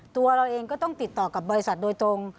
ตัวเราเองก็ต้องติดต่อกับบริษัทโดยตรง